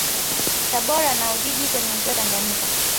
Tabora na Ujiji kwenye Ziwa Tanganyika